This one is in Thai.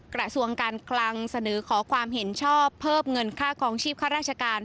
กระทรวงการคลังเสนอขอความเห็นชอบเพิ่มเงินค่าคลองชีพข้าราชการ